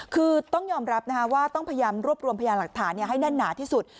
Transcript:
คือต้องยอมรับว่าต้องพยายามรวบรวมพยาหลักฐานให้แน่นหนาที่สุด